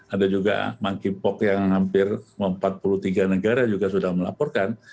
ada juga monkeypox yang hampir empat puluh tiga negara juga sudah melaporkan